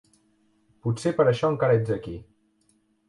Potser per això encara ets aquí.